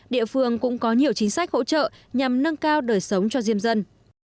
địa phương cũng có nhiều chính sách hỗ trợ nhằm nâng cao đời sống cho diêm dân